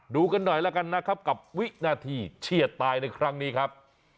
ดูกันหน่อยแล้วกันนะครับกับวินาทีเชียดตายในครั้งนี้ครับ